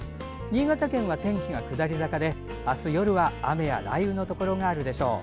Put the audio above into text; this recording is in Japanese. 新潟県は天気が下り坂で明日夜は雨や雷雨のところがあるでしょう。